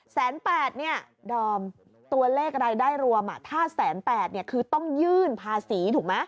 แสนแปดเนี่ยดอมตัวเลขรายได้รวมถ้าแสนแปดเนี่ยคือต้องยื่นภาษีถูกไหม